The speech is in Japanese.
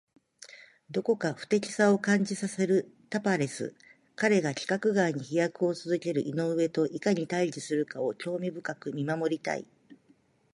どこか不敵さを感じさせるタパレス。彼が規格外に飛躍を続ける井上といかに対峙するかを興味深く見守りたい。